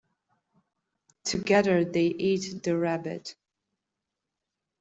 Together they ate the rabbit.